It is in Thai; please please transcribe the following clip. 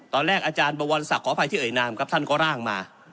อาจารย์บวรศักดิ์ขออภัยที่เอ่ยนามครับท่านก็ร่างมา